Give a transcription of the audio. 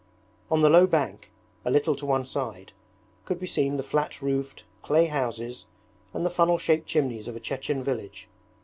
On the low bank, a little to one side, could be seen the flat roofed clay houses and the funnel shaped chimneys of a Chechen village.